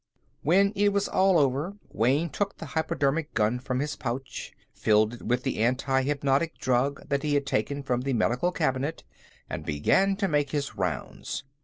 When it was all over, Wayne took the hypodermic gun from his pouch, filled it with the anti hypnotic drug that he had taken from the medical cabinet, and began to make his rounds.